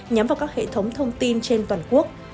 nhắm vào các hệ thống thông tin trên toàn quốc